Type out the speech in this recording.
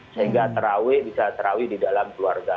sehingga terawi bisa terawih di dalam keluarga